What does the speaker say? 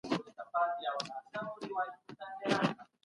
داجناسو په توليد کي بايد له نويو طريقو کار واخيستل سي.